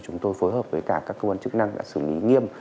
chúng tôi phối hợp với các cơ quan chức năng xử lý nghiêm